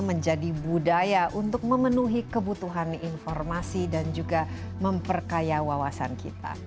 menjadi budaya untuk memenuhi kebutuhan informasi dan juga memperkaya wawasan kita